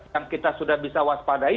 yang kita sudah bisa waspadai